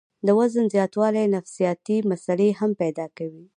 د وزن زياتوالے نفسياتي مسئلې هم پېدا کوي